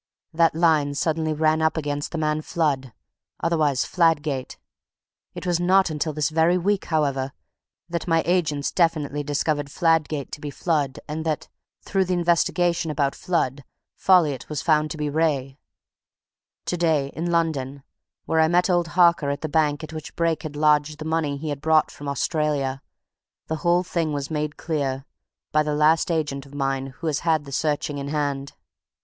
That line suddenly ran up against the man Flood otherwise Fladgate. It was not until this very week, however, that my agents definitely discovered Fladgate to be Flood, and that through the investigations about Flood Folliot was found to be Wraye. Today, in London, where I met old Harker at the bank at which Brake had lodged the money he had brought from Australia, the whole thing was made clear by the last agent of mine who has had the searching in hand.